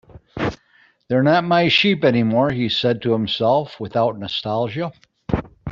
"They're not my sheep anymore," he said to himself, without nostalgia.